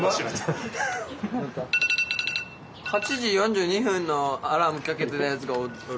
８時４２分のアラームかけてるやつがおる。